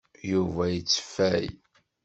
Yuba yetteffay.